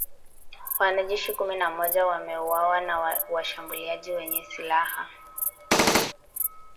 Wanajeshi kumi na moja wameuawa na washambuliaji wenye silaha